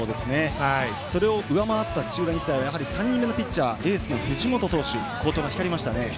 それを上回った土浦日大はやはり３人目のピッチャーエースの藤本投手好投が光りましたね。